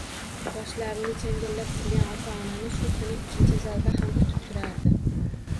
Boshlarini changallab turgan ota-onani shu kuni ikkinchi zarba ham kutib turardi